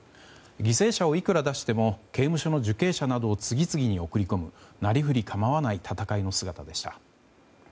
犠牲者をいくら出しても刑務所の受刑者などを次々に送り込むなりふり構わない戦いの姿でした。